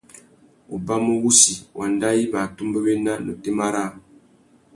Ubamú wussi, wanda i mà atumbéwena na otémá râā.